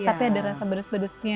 tapi ada rasa pedes pedesnya